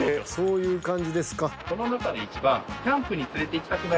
そういう感じですか。